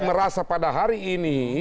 merasa pada hari ini